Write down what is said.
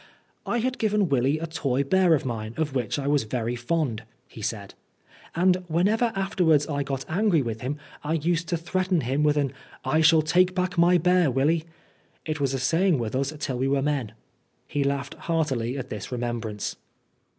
" I had given Willy a toy bear of mine, of which I was very fond," he said, " and whenever afterwards I got angry 78 . Oscar Wilde with him, I used to threaten him with an * I shall take back my bear, Willy/ It was a saying with us tijl we were men." He laughed heartily at this remembrance.